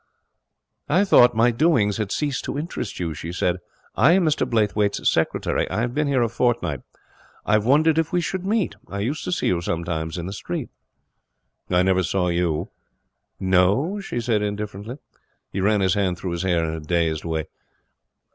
'I thought my doings had ceased to interest you,' she said. 'I am Mr Blaythwayt's secretary, I have been here a fortnight. I have wondered if we should meet. I used to see you sometimes in the street.' 'I never saw you.' 'No?' she said indifferently. He ran his hand through his hair in a dazed way.